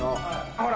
ほら。